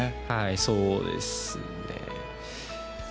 はい、そうですね。